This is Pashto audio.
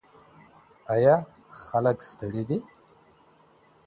ایا خلک ستړي دي؟